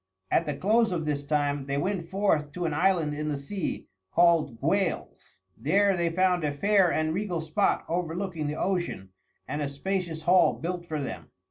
At the close of this time they went forth to an island in the sea called Gwales. There they found a fair and regal spot overlooking the ocean and a spacious hall built for them.